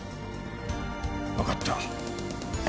わかった。